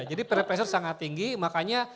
jadi peer pressure sangat tinggi makanya